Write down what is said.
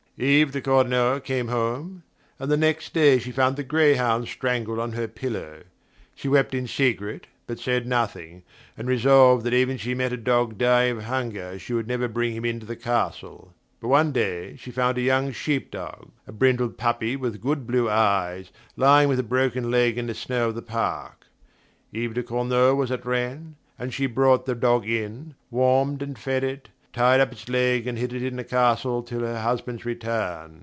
Yves de Cornault came home, and the next day she found the greyhound strangled on her pillow. She wept in secret, but said nothing, and resolved that even if she met a dog dying of hunger she would never bring him into the castle; but one day she found a young sheep dog, a brindled puppy with good blue eyes, lying with a broken leg in the snow of the park. Yves de Cornault was at Rennes, and she brought the dog in, warmed and fed it, tied up its leg and hid it in the castle till her husband's return.